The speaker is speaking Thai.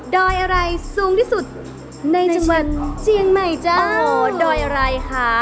อยอะไรสูงที่สุดในจังหวัดเจียงใหม่เจ้าดอยอะไรคะ